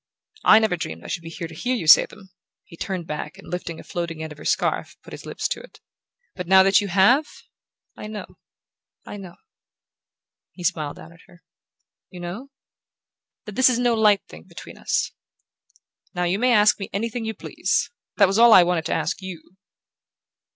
"I never dreamed I should be here to hear you say them!" He turned back and lifting a floating end of her scarf put his lips to it. "But now that you have, I know I know," he smiled down at her. "You know?" "That this is no light thing between us. Now you may ask me anything you please! That was all I wanted to ask YOU."